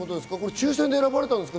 抽選で選ばれたんですか？